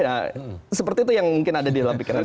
ya seperti itu yang mungkin ada di dalam pikiran